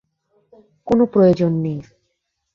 কোনো প্রয়োজন নেই।